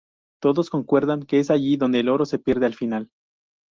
Todos concuerdan que es allí donde el oro se pierde al final.